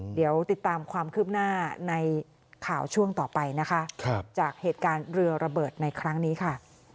เดี๋ยวติดตามความคืบหน้าในข่าวช่วงต่อไปนะคะจากเหตุการณ์เรือระเบิดในครั้งนี้ค่ะ